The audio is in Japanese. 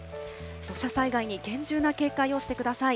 土砂災害に厳重な警戒をしてください。